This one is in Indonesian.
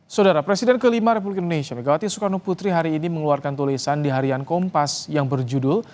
saudara presiden kelima republik indonesia megawati soekarno putri hari ini mengeluarkan tulisan di harian kompas yang berjudul